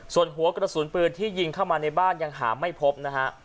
ส่วนหัวกระสุนปืนที่ยิงเข้ามาในบ้านยังหาไม่พบนะฮะ